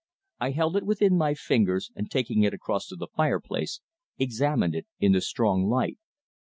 I held it within my fingers, and taking it across to the fireplace, examined it in the strong light.